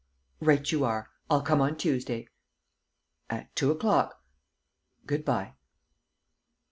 Right you are. I'll come on Tuesday ... at two o'clock. ... Good bye."